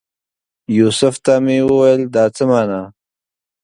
یوسف ته مې وویل دا څه مانا؟